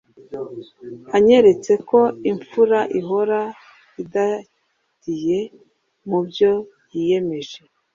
unyeretse ko imfura ihora idadiye mubyo yiyemeje